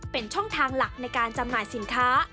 เป็นช่องทางหลักในการจำหน่ายสินค้า